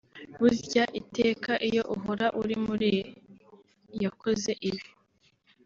Burya iteka iyo uhora uri muri yakoze ibi